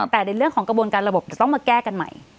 แต่ในเรื่องของกระบวนการระบบจะต้องมาแก้กันใหม่